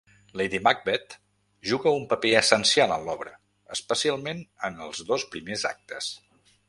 Lady Macbeth juga un paper essencial en l'obra, especialment en els dos primers actes.